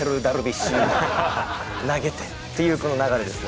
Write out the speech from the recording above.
投げてっていうこの流れですね。